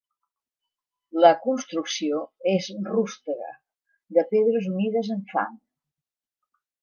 La construcció és rústega de pedres unides amb fang.